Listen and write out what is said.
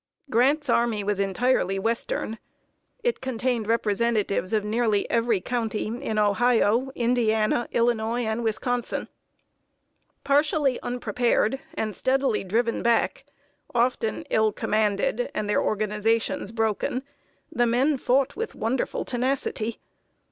Grant's army was entirely western. It contained representatives of nearly every county in Ohio, Indiana, Illinois, and Wisconsin. Partially unprepared, and steadily driven back, often ill commanded and their organizations broken, the men fought with wonderful tenacity.